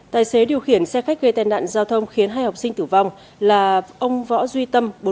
tài xế điều khiển xe khách gây tai nạn giao thông khiến hai học sinh tử vong là ông võ duy tâm